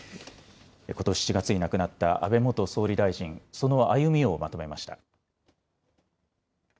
ことし７月に亡くなった安倍元総理大臣、その歩みをまとめました。